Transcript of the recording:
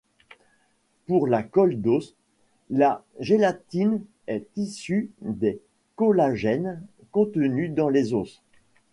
Pour la colle d'os, la gélatine est issue des collagènes contenus dans les os.